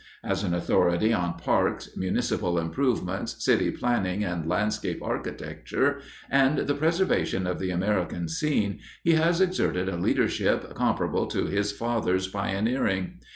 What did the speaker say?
As an authority on parks, municipal improvements, city planning and landscape architecture, and the preservation of the American scene he has exerted a leadership comparable to his father's pioneering.